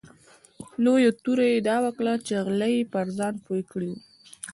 لویه توره یې دا وکړه چې غله یې پر ځان پوه کړي وو.